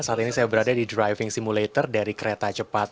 saat ini saya berada di driving simulator dari kereta cepat